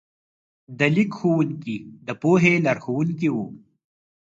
د لیک ښوونکي د پوهې لارښوونکي وو.